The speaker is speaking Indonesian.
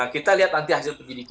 kita lihat nanti hasil penyidikan